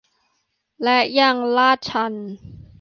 และยังลาดชัน